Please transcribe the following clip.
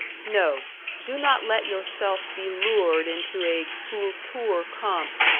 No, do not let yourself be lured into a Kultur kampf.